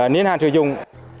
niên hạn sử dụng